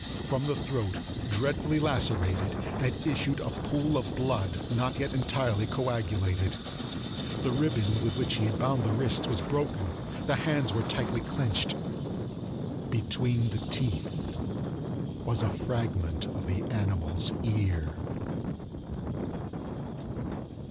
From the throat, dreadfully lacerated, had issued a pool of blood not yet entirely coagulated. The ribbon with which he had bound the wrists was broken; the hands were tightly clenched. Between the teeth was a fragment of the animal's ear.